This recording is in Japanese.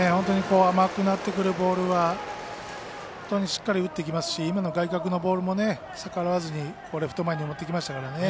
甘くなってくるボールは本当にしっかり打ってきますし今の外角のボールも逆らわずにレフト前に持っていきましたから。